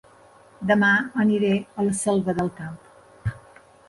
Dema aniré a La Selva del Camp